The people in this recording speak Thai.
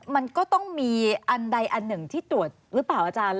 มันก็ต้องมีอันใดอันหนึ่งที่ตรวจหรือเปล่าอาจารย์